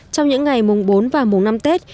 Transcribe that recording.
trong những ngày mùng bốn và mùng năm tết